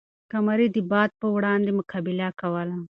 قمري د باد په وړاندې مقابله کوله.